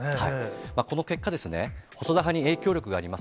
この結果、細田派に影響力があります